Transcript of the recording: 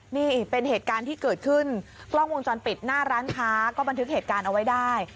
นี่เป็นเหตุการณ์ที่เกิดขึ้นกล้องวงจรปิดหน้าร้านค้าก็บันทึกเหตุการณ์เอาไว้ได้